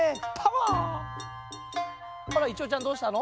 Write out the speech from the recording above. あらいてうちゃんどうしたの？